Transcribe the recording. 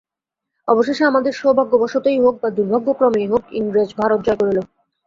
অবশেষে আমাদের সৌভাগ্যবশতই হউক বা দুর্ভাগ্যক্রমেই হউক, ইংরেজ ভারত জয় করিল।